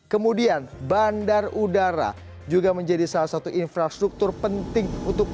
kemudian bandar udara juga menjadi salah satu infrastruktur penting untuk